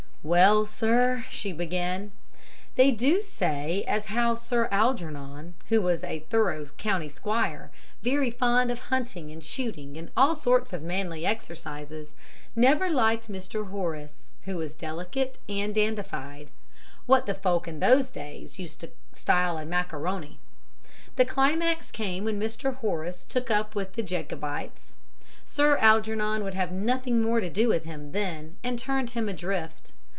"'Well, sir,' she began, 'they do say as how Sir Algernon, who was a thorough country squire very fond of hunting and shooting and all sorts of manly exercises never liked Mr. Horace, who was delicate and dandified what the folk in those days used to style a macaroni. The climax came when Mr. Horace took up with the Jacobites. Sir Algernon would have nothing more to do with him then and turned him adrift.